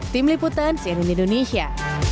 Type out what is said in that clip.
tim liputan siening indonesia